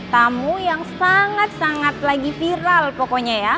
tamu yang sangat sangat lagi viral pokoknya ya